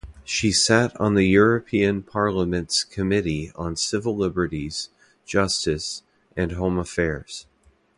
She sat on the European Parliament's Committee on Civil Liberties, Justice and Home Affairs.